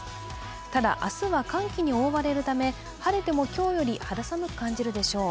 ただ、明日は寒気に覆われるため、晴れても今日より肌寒く感じるでしょう。